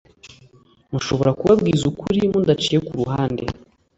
Mushobora kubabwiza ukuri mudaciye ku ruhande